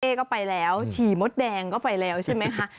ก็ไปแล้วฉี่มดแดงก็ไปแล้วใช่ไหมคะ